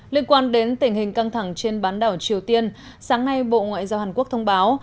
liên quan đến tình hình căng thẳng trên bán đảo triều tiên sáng nay bộ ngoại giao hàn quốc thông báo